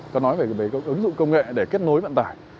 công nghệ để kết nối vận tải